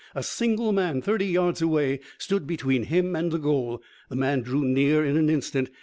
A single man, thirty yards away, stood between him and the goal. The man drew near in an instant.